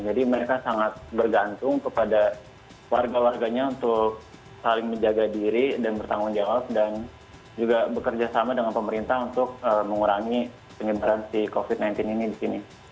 jadi mereka sangat bergantung kepada warga warganya untuk saling menjaga diri dan bertanggung jawab dan juga bekerja sama dengan pemerintah untuk mengurangi penyebaran si covid sembilan belas ini di sini